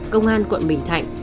công an quận bình thạnh